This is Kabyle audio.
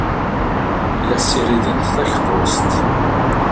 La ssirident takeṛṛust.